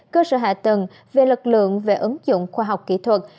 cơ sở hạ tầng về lực lượng về ứng dụng khoa học kỹ thuật